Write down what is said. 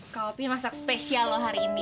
kak ope masak spesial loh hari ini